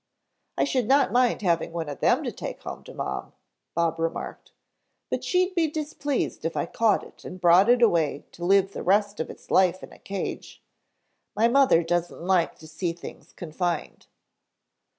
"I should not mind having one of them to take home to Mom," Bob remarked, "but she'd be displeased if I caught it and brought it away to live the rest of its life in a cage. My mother doesn't like to see things confined."